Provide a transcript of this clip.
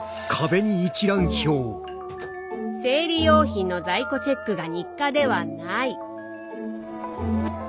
生理用品の在庫チェックが日課ではない。